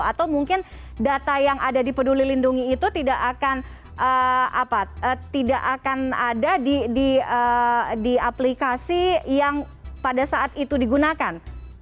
atau mungkin data yang ada di peduli lindungi itu tidak akan ada di aplikasi yang pada saat itu digunakan